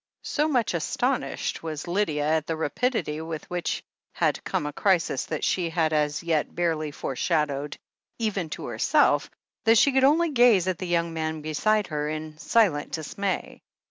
So much astonished was Lydia at the rapidity with which had come a crisis that she had as yet barely fore shadowed even to herself that she could only gaze at the young man beside her in silent dismay.